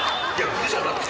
「グー」じゃなくて。